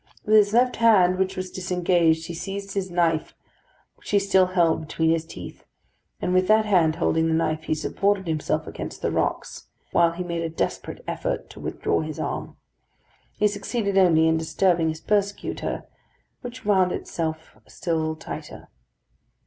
With his left hand, which was disengaged, he seized his knife, which he still held between his teeth, and with that hand, holding the knife, he supported himself against the rocks, while he made a desperate effort to withdraw his arm. He succeeded only in disturbing his persecutor, which wound itself still tighter.